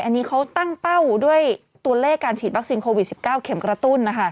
อันนี้เขาตั้งเป้าด้วยตัวเลขการฉีดวัคซีนโควิด๑๙เข็มกระตุ้น